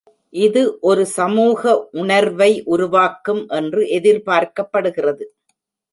இது ஒரு சமூக உணர்வை உருவாக்கும் என்று எதிர்பார்க்கப்படுகிறது.